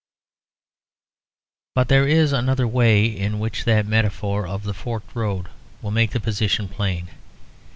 But there is another way in which that metaphor of the forked road will make the position plain.